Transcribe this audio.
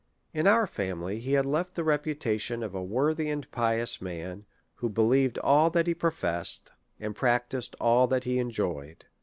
In our family he had left the reputation of a worthy and pious man, who believed all that he pro fessed, and practised all that he enjoyed.